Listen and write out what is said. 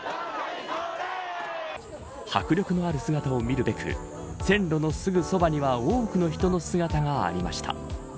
迫力のある姿を見るべく線路のすぐそばには多くの人の姿がありました。